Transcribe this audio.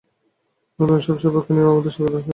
নতুন সব সেবাকে আমাদের স্বাগত জানাতে হবে।